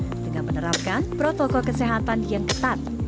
dengan menerapkan protokol kesehatan yang ketat